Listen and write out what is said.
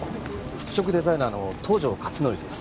服飾デザイナーの東条克典です。